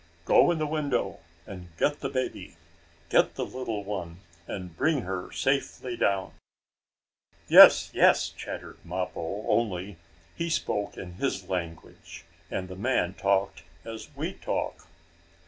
"Go in the window and get the baby get the little one and bring her safely down." "Yes, yes!" chattered Mappo, only he spoke in his language and the man talked as we talk.